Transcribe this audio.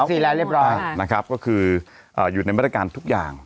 วัคซีนแล้วเรียบร้อยอ่านะครับก็คืออ่าอยู่ในมาตรการทุกอย่าง